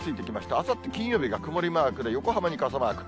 あさって金曜日が曇りマークで、横浜に傘マーク。